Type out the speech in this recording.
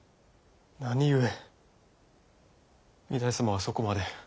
何故御台様はそこまで。